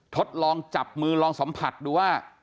ทดลองจับมือลองสัมผัสดูว่า